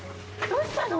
どうしたの！？